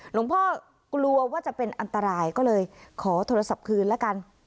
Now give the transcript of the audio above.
หลวงพ่อกลัวว่าจะเป็นอันตรายก็เลยขอโทรศัพท์คืนแล้วกัน